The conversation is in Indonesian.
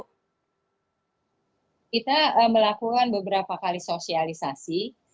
kita melakukan beberapa kali sosialisasi